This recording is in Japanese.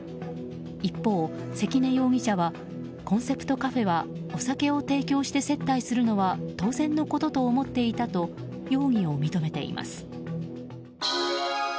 一方、関根容疑者はコンセプトカフェはお酒を提供して接待するのは当然のことと思っていたと容疑を認めています。